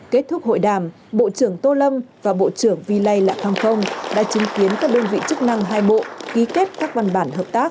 kết thúc hội đàm bộ trưởng tô lâm và bộ trưởng vi lây lạ kham phong đã chứng kiến các đơn vị chức năng hai bộ ghi kết các văn bản hợp tác